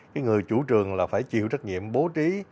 cái người chủ trường là phải chịu trách nhiệm bố trí